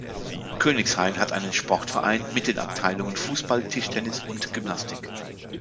Königshain hat einen Sportverein, mit den Abteilungen Fußball, Tischtennis und Gymnastik.